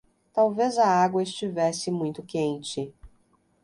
Talvez a água estivesse muito quente.